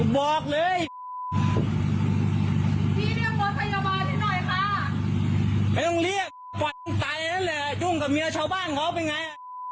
บอกเลยพี่เรียกรถพยาบาลให้หน่อยค่ะไม่ต้องเรียกขวัญใจนั่นแหละยุ่งกับเมียชาวบ้านเขาเป็นไง